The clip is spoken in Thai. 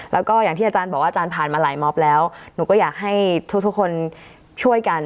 แล้วก็อย่างที่อาจารย์บอกว่าอาจารย์ผ่านมาหลายมอบแล้วหนูก็อยากให้ทุกคนช่วยกัน